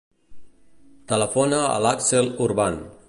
Telefona a l'Axel Urban.